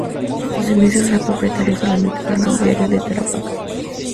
En sus inicios, era propietaria solamente del diario "El Tarapacá".